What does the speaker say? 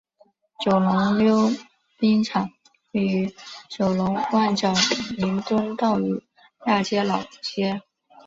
九龙溜冰场位于九龙旺角弥敦道与亚皆老街。